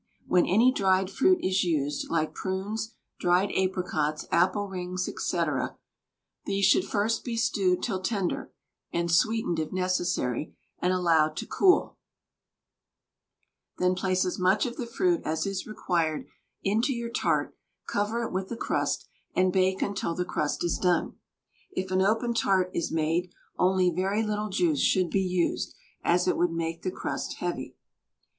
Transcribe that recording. When any dried fruit is used, like prunes, dried apricots, apple rings, &c., these should first be stewed till tender, and sweetened if necessary, and allowed to cool; then place as much of the fruit as is required into your tart, cover it with a crust, and bake until the crust is done. If an open tart is made, only very little juice should be used, as it would make the crust heavy.